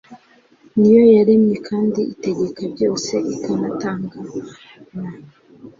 niyo yaremye kandi itegeka byose ikanatangana